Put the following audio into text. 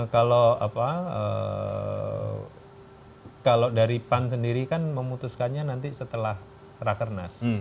kalau dari pan sendiri kan memutuskannya nanti setelah rakernas